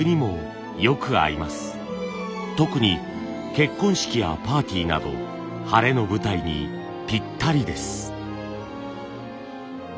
特に結婚式やパーティーなど晴れの舞台にぴったりです。